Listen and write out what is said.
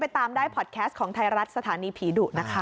ตามได้พอดแคสต์ของไทยรัฐสถานีผีดุนะคะ